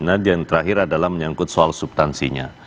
kemudian yang terakhir adalah menyangkut soal subtansinya